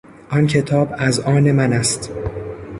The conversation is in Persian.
آن کتاب از آن من است.